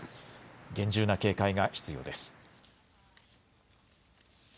厳重な警戒が必要です。